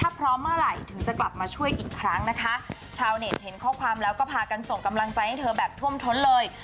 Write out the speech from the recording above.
ถ้าพร้อมเมื่อไหร่ถึงจะกลับมาช่วยอีกครั้งนะคะชาวเน็ตเห็นข้อความแล้วก็พากันส่งกำลังใจให้เธอแบบท่วมท้นเลย